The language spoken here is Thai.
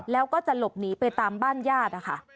แล้วก็จะหลบหนีไปตามบ้านญาตินะคะ